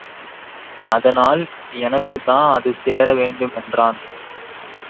அதனால் எனக்குத்தான் அதுசேர வேண்டும் என்றான்.